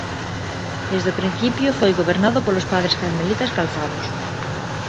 Desde o principio foi gobernado polos padres carmelitas calzados.